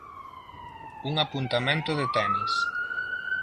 Un apuntamento de tenis.